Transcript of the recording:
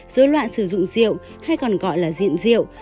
dối loạn sử dụng rượu hay còn gọi là diệm rượu